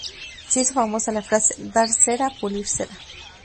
Se hizo famosa la frase" Dar cera, Pulir cera.